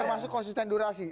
termasuk konsisten durasi